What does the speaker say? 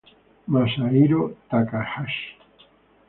Masahiro Takahashi